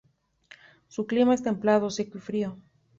Su clima es templado, seco y frío.